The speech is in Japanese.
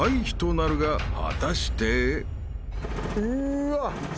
うわ。